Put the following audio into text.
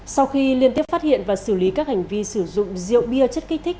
sau khi liên tiếp phát hiện và xử lý các hành vi sử dụng rượu bia chất kích thích